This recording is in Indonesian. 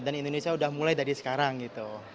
dan indonesia udah mulai dari sekarang gitu